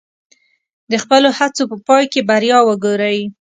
د خپلو هڅو په پای کې بریا وګورئ.